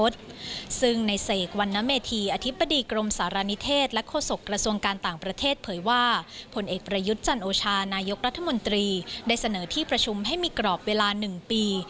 เศกวันนเมธีอธิบดีกรมสารณิเทศและโฆษกระทรวงการต่างประเทศเผยว่าผลเอกประยุทธ์จันโอชานายกรัฐมนตรีได้เสนอที่ประชุมให้มีกรอบเวลา๑ปี